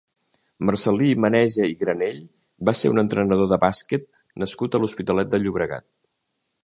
Marcel·lí Maneja i Granell va ser un entrenador de bàsquet nascut a l'Hospitalet de Llobregat.